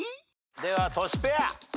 ではトシペア。